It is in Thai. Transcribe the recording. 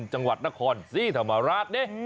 จังหวัดนครศรีธรรมราชนี่